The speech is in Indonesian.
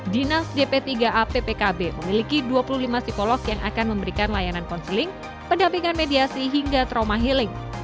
dinas dp tiga a ppkb memiliki dua puluh lima psikolog yang akan memberikan layanan konseling pendampingan mediasi hingga trauma healing